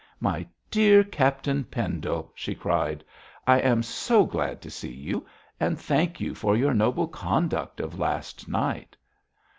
'My dear Captain Pendle,' she cried, 'I am so glad to see you; and thank you for your noble conduct of last night.'